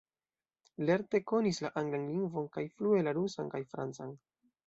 Lerte konis la anglan lingvon kaj flue la rusan kaj francan.